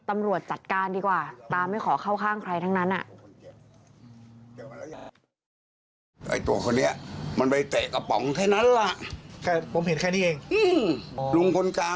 มันไปแตะกระป๋องแค่นั้นแหละ